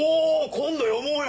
今度読もうよ！